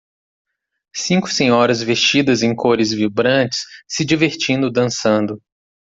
Cinco senhoras vestidas em cores vibrantes se divertindo dançando.